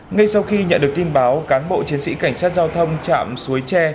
ngay sau khi nhận được tin báo cán bộ chiến sĩ cảnh sát giao thông chạm suối tre